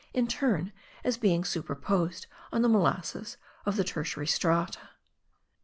] in turn, as being superposed on the molassus of the tertiary strata. 2.